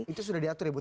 itu sudah diatur ya bu